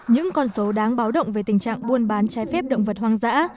những con số đáng báo động về tình trạng buôn bán trái phép động vật hoang dã